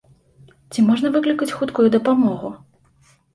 Ці можна выклікаць хуткую дапамогу?